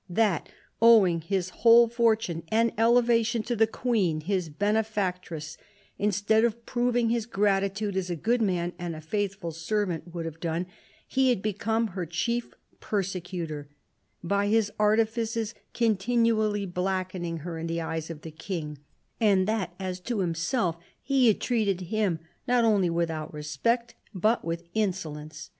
That, owing his whole fortune and 817 21 8 CARDINAL DE RICHELIEU elevation to the Queen his benefactress, instead of proving his gratitude, as a good man and a faithful servant would have done, he had become her chief persecutor, by his artifices continually blackening her in the eyes of the King; and that as to himself, he had treated him not only without respect, but with insolence